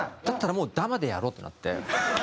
だったらもうダマでやろうってなって。